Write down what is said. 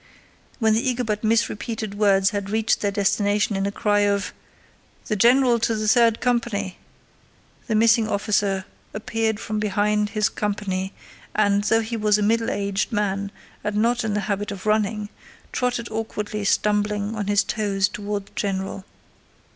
When the eager but misrepeated words had reached their destination in a cry of: "The general to the third company," the missing officer appeared from behind his company and, though he was a middle aged man and not in the habit of running, trotted awkwardly stumbling on his toes toward the general.